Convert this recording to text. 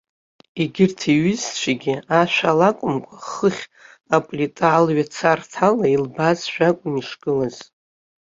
Егьырҭ иҩызцәагьы, ашәала акәымкәа, хыхьтә, аплита алҩацарҭала илыбаазшәа акәын ишгылаз.